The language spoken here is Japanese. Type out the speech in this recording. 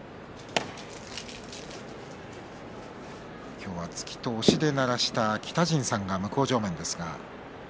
今日は突きと押しでならした北陣さんが向正面です。